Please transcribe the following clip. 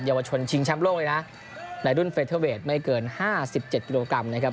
ยาวชนชิงแชมป์โลกเลยนะในรุ่นเฟเทอร์เวทไม่เกิน๕๗กิโลกรัมนะครับ